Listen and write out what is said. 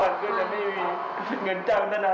ตอนนั้นก็จะไม่มีเงินจังแล้วนะ